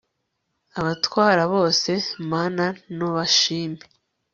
abatwara bose mana n'ubashime